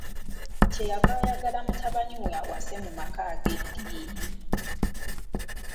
Kyeyava ayagala mutabani we awase mu maka ag'eddiini.